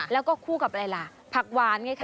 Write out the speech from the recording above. แล้วก็คู่กับอะไรล่ะผักหวานไงคะ